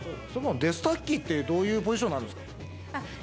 デスタッキってどういうポジションなんですか？